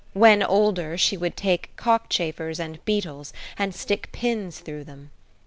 When older, she would take cockchafers and beetles, and stick pins through them.